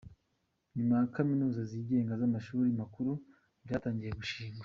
Nyuma Kaminuza zigenga n’amashuri makuru byatangiye gushingwa.